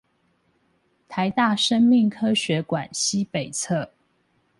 臺大生命科學館西北側